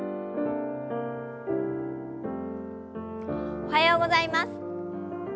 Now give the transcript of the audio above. おはようございます。